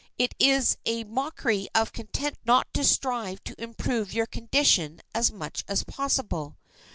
It is a mockery of content not to strive to improve your condition as much as possible.